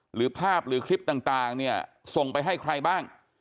หรือภาพหรือคลิปต่างเนี่ยส่งไปให้ใครบ้าง